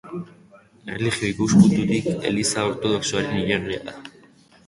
Erlijio ikuspuntutik Eliza Ortodoxoaren hilerria da.